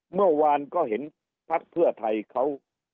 เมื่อวานก็เห็นชื่อไทยเค้า